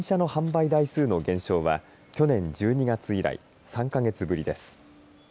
新車の販売台数の減少は去年１２月以来３か月ぶりです。